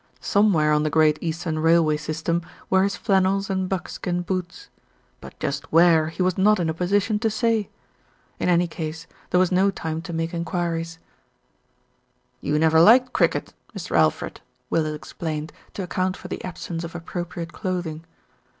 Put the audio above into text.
Somewhere on the Great Eastern Railway sys tem were his flannels and buckskin boots; but just where he was not in a position to say. In any case, there was no time to make enquiries. SMITH ACQUIRES REACH ME DOWNS 145 "You never liked cricket, Mr. Alfred," Willis ex plained, to account for the absence of appropriate clothing.